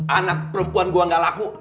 anak perempuan gue gak laku